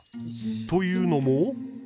というのも。